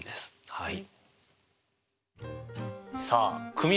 はい。